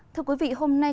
thưa quý vị hôm nay